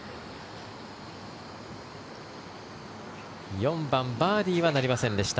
４番、バーディーはなりませんでした。